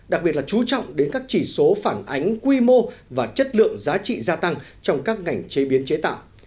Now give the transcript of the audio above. đặc biệt là chú trọng đến các chỉ số phản ánh quy mô và chất lượng giá trị gia tăng trong các ngành chế biến chế tạo